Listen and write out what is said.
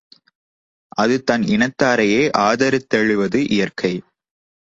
அது தன் இனத்தாரையே ஆதரித்தெழுவது இயற்கை.